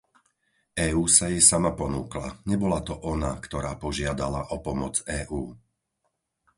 EÚ sa jej sama ponúkla, nebola to ona, ktorá požiadala o pomoc EÚ.